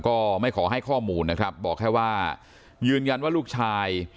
ก็ไม่ขอให้ข้อมูลนะครับบอกแค่ว่ายืนยันว่าลูกชาย